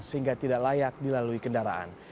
sehingga tidak layak dilalui kendaraan